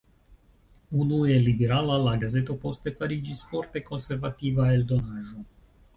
Unue liberala, la gazeto poste fariĝis forte konservativa eldonaĵo.